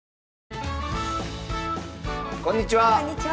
こんにちは！